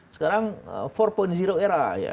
sekarang empat era